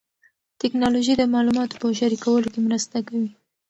ټیکنالوژي د معلوماتو په شریکولو کې مرسته کوي.